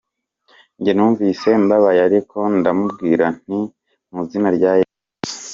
Njye numvise mbababaye ariko ndamubwira nti mu izina rya Yesu.